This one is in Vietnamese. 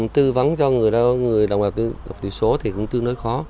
tư vấn cho người đồng bào dân tộc tỷ số thì cũng tương đối khó